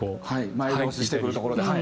前倒ししてくるところではい。